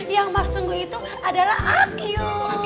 yang mas tunggu itu adalah aque